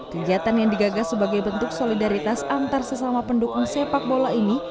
kegiatan yang digagas sebagai bentuk solidaritas antar sesama pendukung sepak bola ini